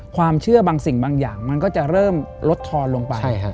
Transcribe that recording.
ความเชื่อบางสิ่งบางอย่างมันก็จะเริ่มลดทอนลงไป